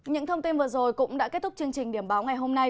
những thông tin vừa rồi cũng đã kết thúc chương trình điểm báo ngày hôm nay